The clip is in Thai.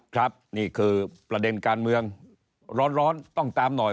ครับนี่คือประเด็นการเมืองร้อนต้องตามหน่อย